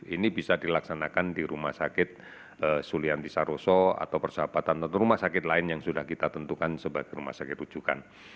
ini bisa dilaksanakan di rumah sakit sulianti saroso atau persahabatan atau rumah sakit lain yang sudah kita tentukan sebagai rumah sakit rujukan